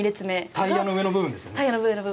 タイヤの上の部分です。